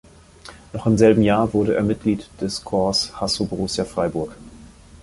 Noch im selben Jahr wurde er Mitglied des Corps Hasso-Borussia Freiburg.